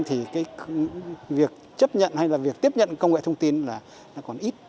thì cái việc chấp nhận hay là việc tiếp nhận công nghệ thông tin là nó còn ít